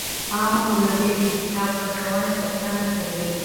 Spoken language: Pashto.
عامه منابع د حساب ورکونې غوښتنه کوي.